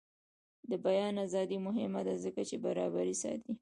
د بیان ازادي مهمه ده ځکه چې برابري ساتي.